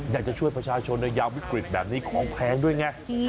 อยากจะช่วยประชาชนในยามวิกฤตแบบนี้ของแพงด้วยไง